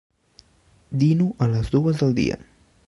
Dino a les dues del dia.